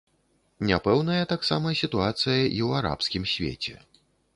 Няпэўная таксама сітуацыя і ў арабскім свеце.